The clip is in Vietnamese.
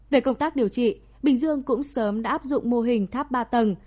về công tác điều trị bình dương cũng sớm đã áp dụng mô hình tháp ba tầng